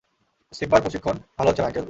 সিম্বার প্রশিক্ষণ ভালো হচ্ছে না, আঙ্কেল।